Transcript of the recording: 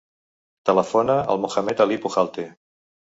Telefona al Mohamed ali Pujalte.